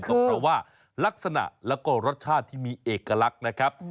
ก็เพราะว่าลักษณะแล้วก็รสชาติที่มีเอกลักษณ์นะครับ